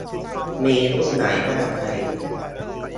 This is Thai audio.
มีรุ่นไหนน่าใช้